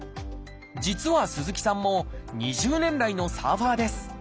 実は鈴木さんも２０年来のサーファーです。